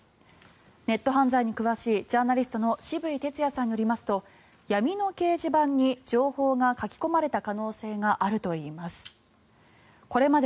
ネット犯罪に詳しいジャーナリストの渋井哲也さんによりますと闇の掲示板に情報が書き込まれた可能性があるといいます。